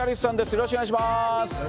よろしくお願いします。